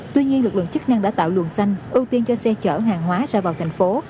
tuy nhiên lực lượng chức năng đã tạo luồng xanh ưu tiên cho xe chở hàng hóa ra vào thành phố